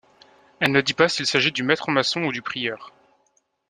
Elle ne dit pas s'il s'agit du maître maçon ou du prieur.